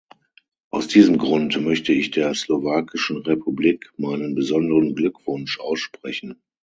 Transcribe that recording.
Aus diesem Grund möchte ich der Slowakischen Republik meinen besonderen Glückwunsch aussprechen.